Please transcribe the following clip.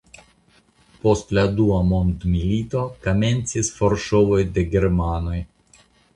Post la dua mondmilito komencis forŝovoj de germanoj.